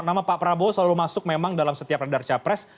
nama pak prabowo selalu masuk memang dalam setiap radar capres